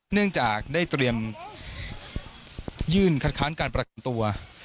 เนื่องจากได้เตรียมยื่นคัดค้านการประกันตัว